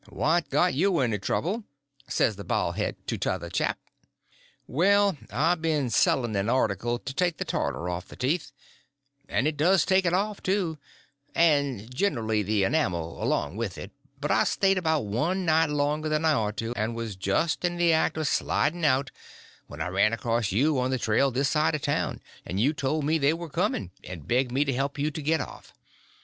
"What got you into trouble?" says the baldhead to t'other chap. "Well, I'd been selling an article to take the tartar off the teeth—and it does take it off, too, and generly the enamel along with it—but I stayed about one night longer than I ought to, and was just in the act of sliding out when I ran across you on the trail this side of town, and you told me they were coming, and begged me to help you to get off.